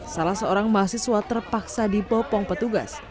salah seorang mahasiswa terpaksa dipopong petugas